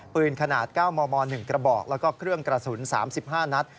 ปืนขนาด๙มม๑กระบอกแล้วก็เครื่องกระสุน๓๕นัด